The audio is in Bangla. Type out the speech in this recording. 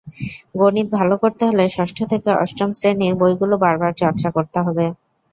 গণিতে ভালো করতে হলে ষষ্ঠ থেকে অষ্টম শ্রেণির বইগুলো বারবার চর্চা করতে হবে।